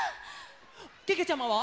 けけちゃまは？